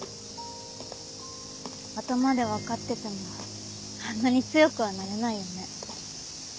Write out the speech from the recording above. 頭で分かっててもあんなに強くはなれないよね。